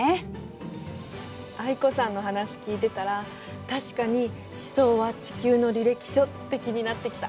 藍子さんの話聞いてたら確かに地層は地球の履歴書って気になってきた。